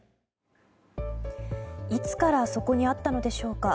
いつからそこにあったのでしょうか。